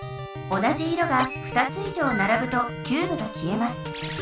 同じ色が２つ以上ならぶとキューブが消えます。